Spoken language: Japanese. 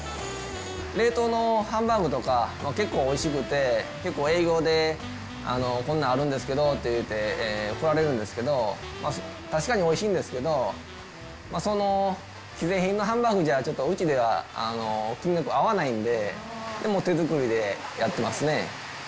冷凍のハンバーグとか、結構おいしくて、結構営業で、こんなあるんですけどって言って、来られるんですけど、確かにおいしいんですけど、その既製品のハンバーグじゃ、うちでは金額合わないんで、で、手作りでやってますね。